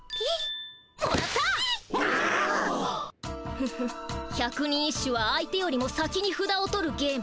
フフ百人一首は相手よりも先にふだを取るゲーム。